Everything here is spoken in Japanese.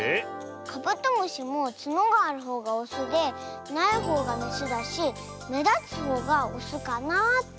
カブトムシもつのがあるほうがオスでないほうがメスだしめだつほうがオスかなあって。